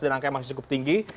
dan angka masih cukup tinggi